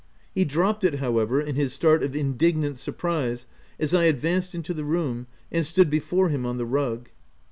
He dropped it, however, in his start of indignant surprise as I advanced into the room and stood before him on the rug.